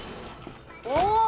お！